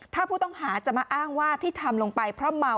ถ้าผู้ต้องหาจะมาอ้างว่าที่ทำลงไปเพราะเมา